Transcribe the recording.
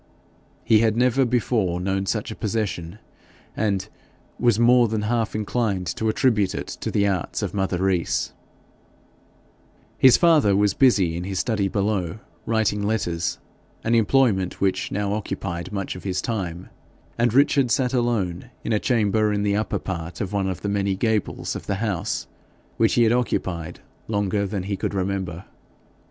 He had never before known such a possession, and was more than half inclined to attribute it to the arts of mother Rees. His father was busy in his study below, writing letters an employment which now occupied much of his time; and Richard sat alone in a chamber in the upper part of one of the many gables of the house, which he had occupied longer than he could remember.